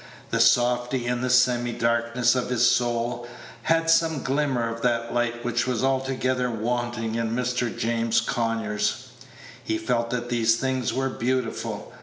The softy, in the semi darknesses of his soul, had some glimmer of that light which was altogether wanting in Mr. James Conyers. He felt that these things were beautiful.